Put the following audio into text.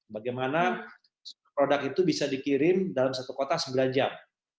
bagaimana produk itu bisa dikirim dalam satu kota sembilan jam